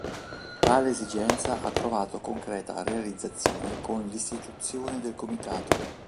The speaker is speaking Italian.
Tale esigenza ha trovato concreta realizzazione con l'istituzione del Comitato.